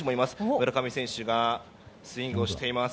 村上選手がスイングをしています。